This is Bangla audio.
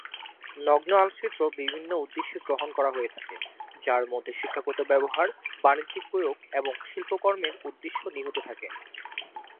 নগ্ন আলোকচিত্র বিভিন্ন উদ্দেশ্যে গ্রহণ করা হয়ে থাকে, যার মধ্যে শিক্ষাগত ব্যবহার, বাণিজ্যিক প্রয়োগ এবং শিল্পকর্মের উদ্দেশ্য নিহিত থাকে।